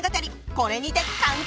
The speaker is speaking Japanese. これにて完結！